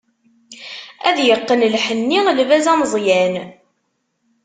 Ad yeqqen lḥenni, lbaz ameẓyan.